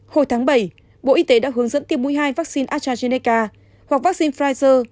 hồi tháng bảy bộ y tế đã hướng dẫn tiêm mũi hai vaccine astrazeneca hoặc vaccine pfizer